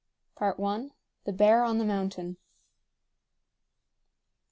THE BEAR ON THE MOUNTAIN.